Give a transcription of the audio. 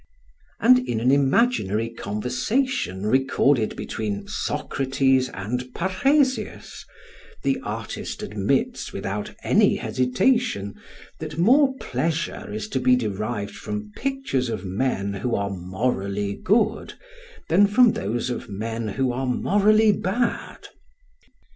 ] And in an imaginary conversation recorded between Socrates and Parrhasius the artist admits without any hesitation that more pleasure is to be derived from pictures of men who are morally good than from those of men who are morally bad.